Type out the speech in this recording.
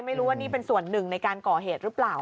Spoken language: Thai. ไม่รู้ว่านี่เป็นส่วนหนึ่งในการก่อเหตุหรือเปล่า